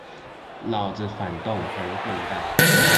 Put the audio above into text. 老子反動兒混蛋